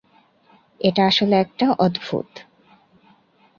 এটা আসলে একটা অদ্ভুদ।